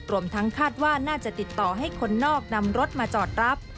รวมทั้งคาดว่าน่าจะติดต่อให้คนนอกนำรถมาจอดรับ